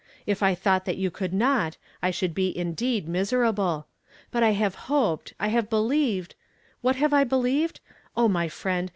If I thought that you could not, I should be indeed miserable ; but I have hoped, I have believed — What have I believed? O my friend!